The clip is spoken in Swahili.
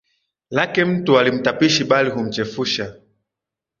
Lake mtu halimtapishi bali humchefusha